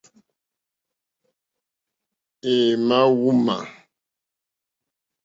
É ǃmá wúŋmā.